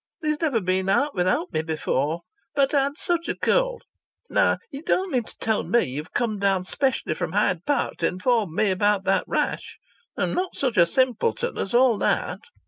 He's never been out without me before, but I had such a cold. Now you don't mean to tell me that you've come down specially from Hyde Park to inform me about that rash. I'm not such a simpleton as all that."